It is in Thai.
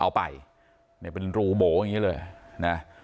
เอาไปเนี่ยเป็นรูโบเงี้ยเลยนะ